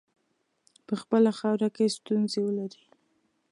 په خپله خاوره کې ستونزي ولري.